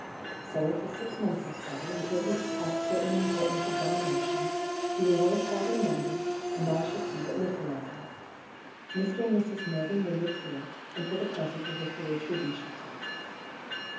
So for six months or so, until he has passed certain important examinations, he will work hard in London, and I shall see but little of him. Mr. and Mrs. Mervyn will live here ; and for the present the Vicarage will be shut up.